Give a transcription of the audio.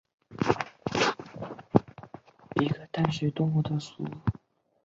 蛏蚌属为蚌目蚌科隆嵴蚌亚科一个淡水动物的属。